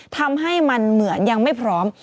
ทำให้มันเหมือนยังไม่พร้อม